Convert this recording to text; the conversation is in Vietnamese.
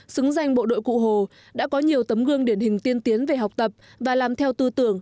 xứng danh bộ đội cụ hồ đã có nhiều tấm gương điển hình tiên tiến về học tập và làm theo tư tưởng